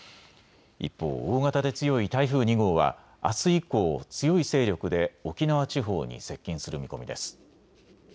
一方、大型で強い台風２号はあす以降、強い勢力で沖縄地方に接近する見込みです。